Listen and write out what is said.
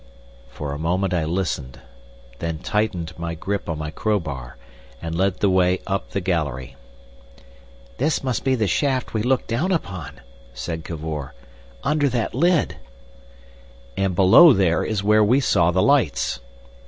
For a moment I listened, then tightened my grip on my crowbar, and led the way up the gallery. "This must be the shaft we looked down upon," said Cavor. "Under that lid." "And below there, is where we saw the lights."